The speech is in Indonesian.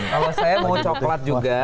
kalau saya mau coklat juga